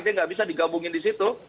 dia nggak bisa digabungin di situ